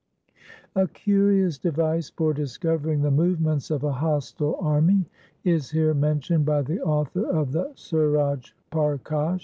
A curious device for discovering the movements of a hostile army is here mentioned by the author of the Suva] Parkash.